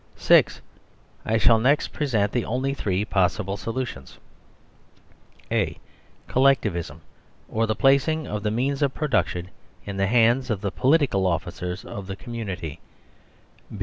(6) I shall next present the only three possible solutions : (a) Collectivism, or the placing of the means of production in the hands of the political officers of the community.